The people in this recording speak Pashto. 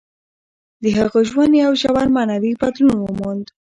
د هغه ژوند یو ژور معنوي بدلون وموند.